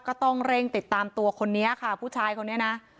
ก็ต้องเร่งติดตามตัวคนนี้ค่ะผู้ชายคนนี้นะ